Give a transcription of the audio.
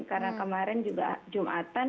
karena kemarin juga jumatan